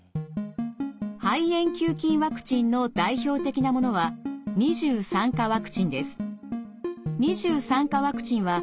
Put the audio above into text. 肺炎球菌ワクチンの代表的なものは２３価ワクチンです。